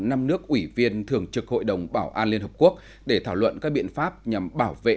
năm nước ủy viên thường trực hội đồng bảo an liên hợp quốc để thảo luận các biện pháp nhằm bảo vệ